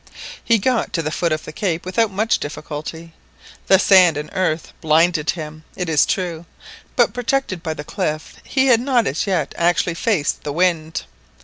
He got to the foot of the cape without much difficulty. The sand and earth blinded him, it is true, but protected by the cliff he had not as yet actually faced the wind.